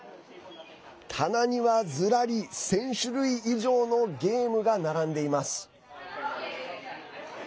棚にはずらり１０００種類以上のゲームが並んでいます。